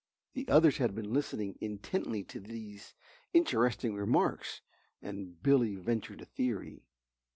The others had been listening intently to these interesting remarks and Billy ventured a theory.